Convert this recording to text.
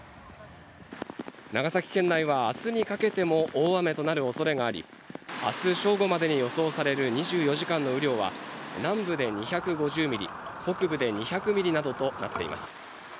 長崎県内は明日にかけても大雨となる恐れがあり、明日正午までに予想される２４時間の雨量は南部で２５０ミリ、北部で２００ミリなどとなっています。